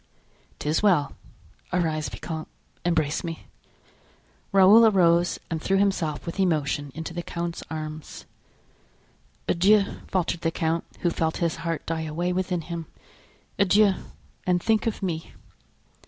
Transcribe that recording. "'Tis well; arise, vicomte, embrace me." Raoul arose and threw himself with emotion into the count's arms. "Adieu," faltered the count, who felt his heart die away within him; "adieu, and think of me."